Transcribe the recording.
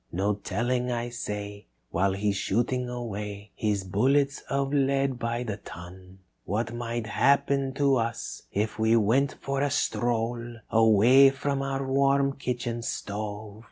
No telling, I say, while he's shooting away His bullets of lead by the ton. "What might happen to us if we went for a stroll Away from our warm kitchen stove.